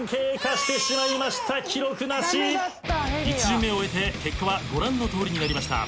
１巡目を終えて結果はご覧のとおりになりました。